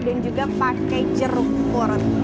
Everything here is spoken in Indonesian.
dan juga pakai jeruk porot